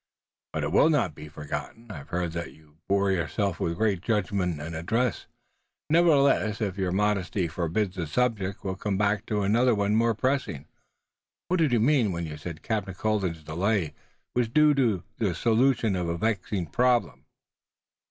"But it will not be forgotten. I've heard that you bore yourself with great judgment and address. Nevertheless, if your modesty forbids the subject we'll come back to another more pressing. What did you mean when you said Captain Colden's delay was due to the solution of a vexing problem?"